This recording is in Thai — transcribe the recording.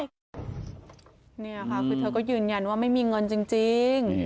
นี่ค่ะคือเธอก็ยืนยันว่าไม่มีเงินจริง